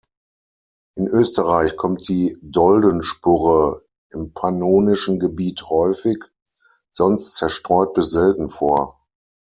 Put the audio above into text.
In Österreich kommt die Dolden-Spurre im pannonischen Gebiet häufig, sonst zerstreut bis selten vor.